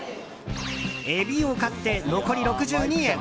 エビを買って残り６２円。